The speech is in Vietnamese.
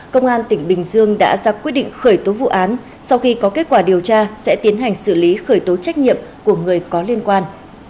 công an tỉnh bình dương đã ra quyết định khởi tố vụ án sau khi có kết quả điều tra sẽ tiến hành xử lý khởi tố trách nhiệm của người có liên quan